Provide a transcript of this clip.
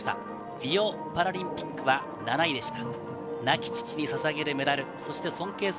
リオパラリンピックは７位でした。